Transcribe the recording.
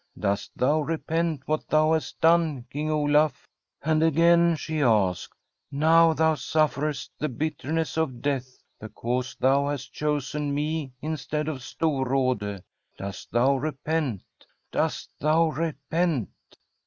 Dost thou repent what thou hast done, King Olaf ?' And again she asked: *Now thou sufferest the bitterness of death because thou hast chosen me instead of Storrade. Dost thou repent ? dost thou repent